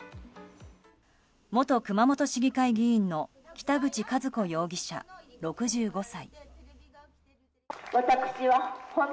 元熊本市議会議員の北口和皇容疑者、６５歳。